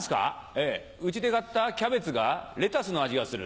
ええうちで買ったキャベツがレタスの味がする？